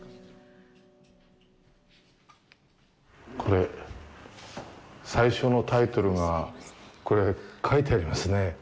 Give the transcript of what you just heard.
これ、最初のタイトルが書いてありますね。